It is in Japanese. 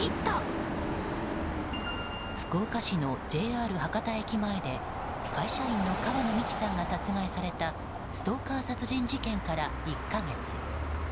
福岡市のＪＲ博多駅前で会社員の川野美樹さんが殺害されたストーカー殺人事件から１か月。